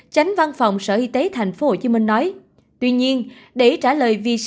tránh văn phòng sở y tế tp hcm nói